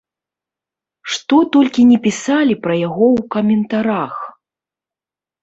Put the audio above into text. Што толькі не пісалі пра яго ў каментарах!